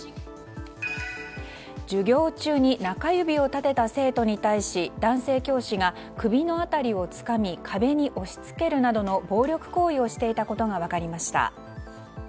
授業中に中指を立てた生徒に対し男性教師が首の辺りをつかみ壁に押し付けるなどの暴力行為をしていたことが分かりました。